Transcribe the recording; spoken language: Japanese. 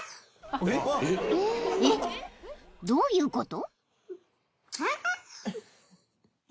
［えっ！どういうこと？］